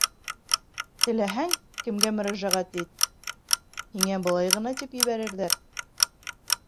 Теләһәң кемгә мөрәжәғәт ит, һиңә былай ғына тип ебәрерҙәр: